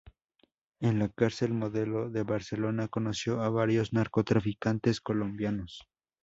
En la cárcel Modelo de Barcelona conoció a varios narcotraficantes colombianos.